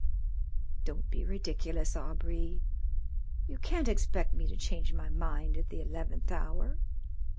Don't be ridiculous, Aubrey. You can't expect me to change my mind at the eleventh hour.